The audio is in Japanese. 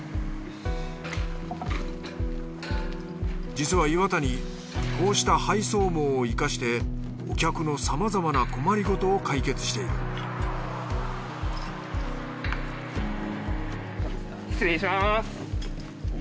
実は岩谷こうした配送網を生かしてお客のさまざまな困りごとを解決している失礼します。